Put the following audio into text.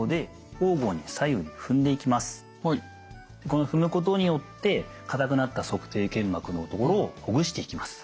この踏むことによって硬くなった足底腱膜のところをほぐしていきます。